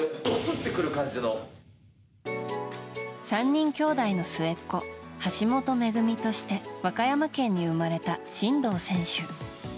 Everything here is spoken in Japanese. ３人きょうだいの末っ子橋本めぐみとして和歌山県に生まれた真道選手。